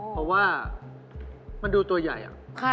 เพราะว่ามันดูตัวใหญ่